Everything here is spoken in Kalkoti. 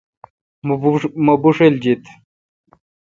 مہ بوݭل جیت۔